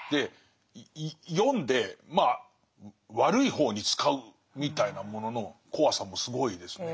読んでまあ悪い方に使うみたいなものの怖さもすごいですね。